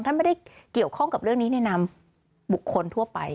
ไม่ได้เกี่ยวข้องกับเรื่องนี้ในนามบุคคลทั่วไป